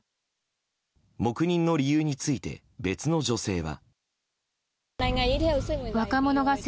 黙認の理由について別の女性は。